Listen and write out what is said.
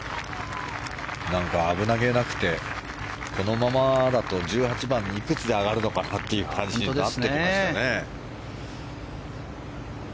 何か危なげなくてこのままだと１８番いくつで上がるのかなという感じになってきましたね。